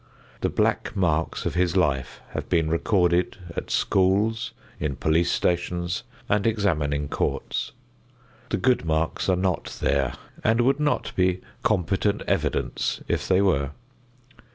The black marks of his life have been recorded at schools, in police stations and examining courts. The good marks are not there and would not be competent evidence if they were.